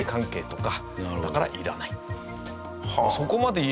だからいらない。